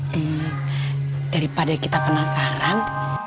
hmm daripada kita penasaran